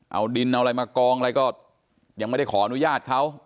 เอาดินเอาอะไรมากองอะไรก็ยังไม่ได้ขออนุญาตเขา